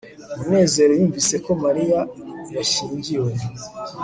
munezero yumvise ko mariya yashyingiwe